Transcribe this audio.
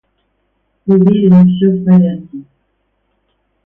Уверена, все в порядке.